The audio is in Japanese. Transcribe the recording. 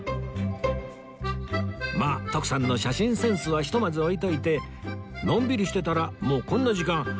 まあ徳さんの写真センスはひとまず置いておいてのんびりしてたらもうこんな時間